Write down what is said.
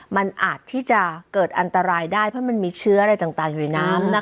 มันอาจที่จะเกิดอันตรายได้เพราะมันมีเชื้ออะไรต่างอยู่ในน้ำนะคะ